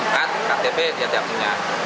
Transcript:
kad ktp tiap tiap punya